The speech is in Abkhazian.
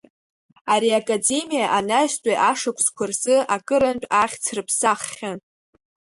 Ари академиа анаҩстәи ашықәсқәа рзы акырынтә ахьӡ рыԥсаххьан.